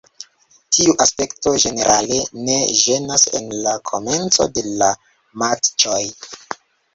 Tiu aspekto ĝenerale ne ĝenas en la komenco de la matĉoj.